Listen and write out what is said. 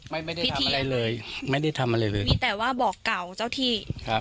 ไม่ได้พิธีอะไรเลยไม่ได้ทำอะไรเลยมีแต่ว่าบอกเก่าเจ้าที่ครับ